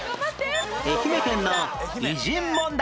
愛媛県の偉人問題